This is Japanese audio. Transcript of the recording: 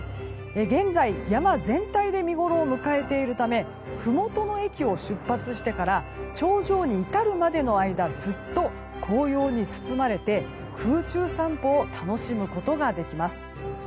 現在、山全体で見ごろを迎えているためふもとの駅を出発してから頂上に至るまでの間、ずっと紅葉に包まれて空中散歩を楽しむことができます。